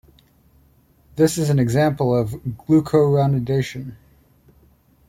This is an example of glucuronidation.